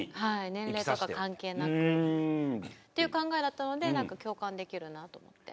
年齢とか関係なく。っていう考えだったので何か共感できるなと思って。